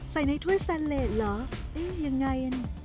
ใส่ในถ้วยสะเลดเหรอยังไง